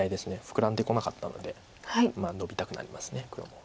フクラんでこなかったのでノビたくなります黒も。